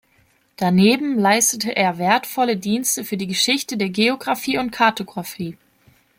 Daneben leistete er wertvolle Dienste für die Geschichte der Geografie und Kartografie.